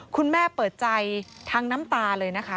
คุณแม่เปิดใจทั้งน้ำตาเลยนะคะ